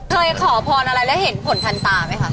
เคยขอพรอะไรแล้วเห็นผลทันตาไหมคะ